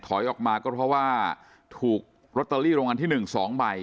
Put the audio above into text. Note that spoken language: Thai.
ถอยออกมาก็เพราะว่าถูกรอเตอรี่โรงงานที่๑๒บาท